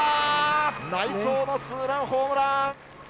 内藤のツーランホームラン。